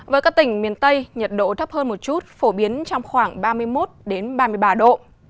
với các tỉnh miền tây nhiệt độ thấp hơn một chút phổ biến trong khoảng ba mươi một ba mươi ba độ